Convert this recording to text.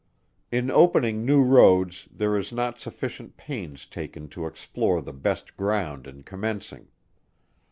In opening new roads there is not sufficient pains taken to explore the best ground in commencing.